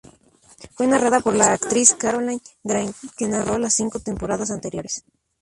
Fue narrada por la actriz Caroline Craig, que narró las cinco temporadas anteriores.